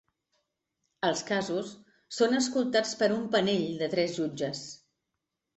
Els casos són escoltats per un panell de tres jutges.